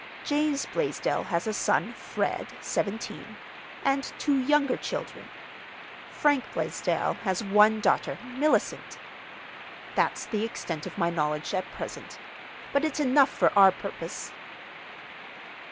James Blaisdell has a son, Fred, seventeen, and two younger children. Frank Blaisdell has one daughter, Mellicent. That's the extent of my knowledge, at present. But it's enough for our purpose."